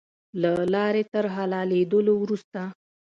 له لارې تر حلالېدلو وروسته.